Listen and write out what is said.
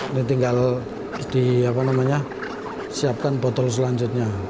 ini tinggal disiapkan botol selanjutnya